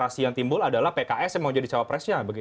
narasi yang timbul adalah pks yang mau jadi capresnya